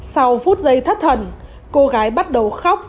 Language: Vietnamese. sau phút giây thất thần cô gái bắt đầu khóc